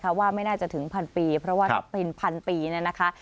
เพราะว่าไม่น่าจะถึงพันปีเพราะว่าถ้าเป็นพันปีเนี่ยนะคะ